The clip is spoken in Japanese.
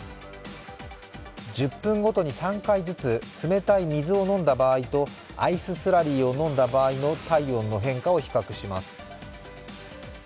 １０分ごとに３回ずつ冷たい水を飲んだ場合とアイススラリーを飲んだ場合の体温の変化を比較します。